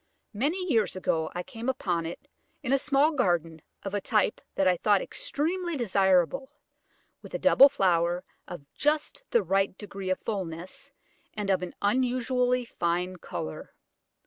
Many years ago I came upon some of it in a small garden, of a type that I thought extremely desirable, with a double flower of just the right degree of fulness, and of an unusually fine colour.